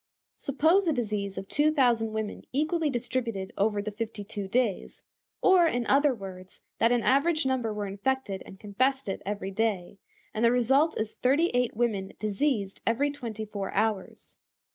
Suppose the disease of two thousand women equally distributed over the fifty two days; or, in other words, that an average number were infected and confessed it every day, and the result is thirty eight women diseased every twenty four hours.